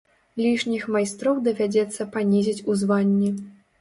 Лішніх майстроў давядзецца панізіць у званні.